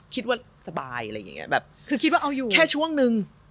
คิดว่าสบายคือคิดว่าเอาอยู่แค่ช่วงนึง